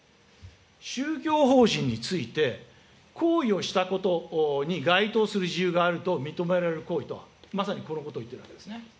宗教法人において行為をしたことに該当する事由があると認められる行為と、まさにこのことを言っているわけですね。